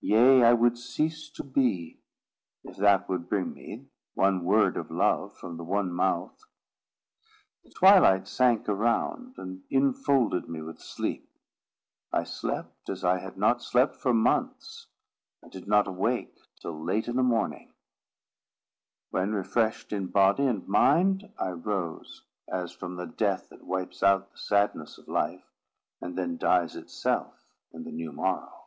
Yea, I would cease to be, if that would bring me one word of love from the one mouth. The twilight sank around, and infolded me with sleep. I slept as I had not slept for months. I did not awake till late in the morning; when, refreshed in body and mind, I rose as from the death that wipes out the sadness of life, and then dies itself in the new morrow.